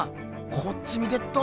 こっち見てっど。